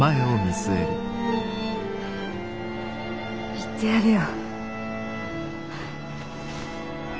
行ってやるよ。